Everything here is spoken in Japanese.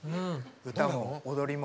歌も踊りも。